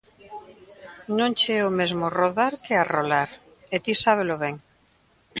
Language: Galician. Non che é o mesmo rodar que arrolar, e ti sábelo ben